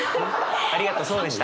ありがとうそうでした。